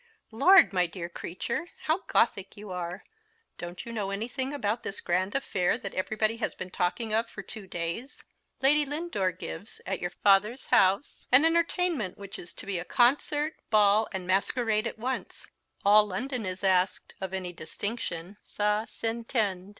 "Lord, my dear creature, how Gothic you are! Don't you know anything about this grand affair that everybody has been talking of for two days? Lady Lindore gives, at your father's house, an entertainment which is to be a concert, ball, and masquerade at once. All London is asked, of any distinction, _c'a s'entend.